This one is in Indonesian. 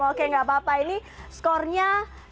oke gak apa apa ini skornya